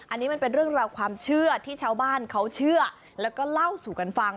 อันนี้มันเป็นเรื่องราวความเชื่อที่ชาวบ้านเขาเชื่อแล้วก็เล่าสู่กันฟัง